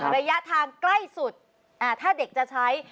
ระยะทางใกล้สุดถ้าเด็กจะใช้